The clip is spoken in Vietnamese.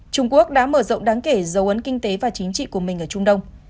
trung quốc đã mở rộng đáng kể dấu ấn kinh tế và chính trị của mình ở trung đông